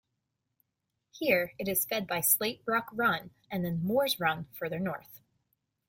Here, it is fed by Slate Rock Run and then Moores Run further north.